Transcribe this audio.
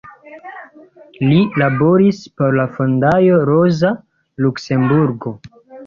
Li laboris por la Fondaĵo Roza Luksemburgo.